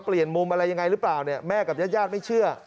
เปลี่ยนมุมอะไรยังไงหรือเปล่าเนี่ยแม่กับญาติญาติไม่เชื่อ